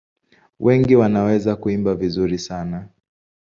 Wengi wanaweza kuimba vizuri sana.